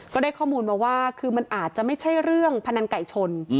ก็ได้ข้อมูลมาว่าคือมันอาจจะไม่ใช่เรื่องพนันไก่ชน